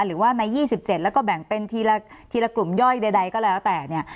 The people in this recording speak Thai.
หรือว่าใน๒๗แล้วก็แบ่งเป็นทีละกลุ่มย่อยใดก็แล้วแต่เนี่ย